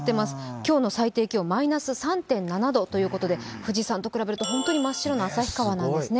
今日の最低気温マイナス３．７度ということで富士山と比べると本当に真っ白な旭川なんですね。